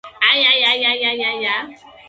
نه، زه ودریږم